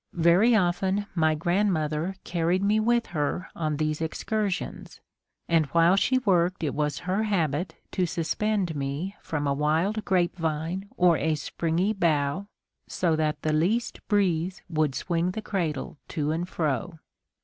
Very often my grandmother carried me with her on these excursions; and while she worked it was her habit to suspend me from a wild grape vine or a springy bough, so that the least breeze would swing the cradle to and fro.